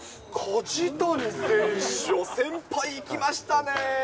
梶谷選手、先輩いきましたね。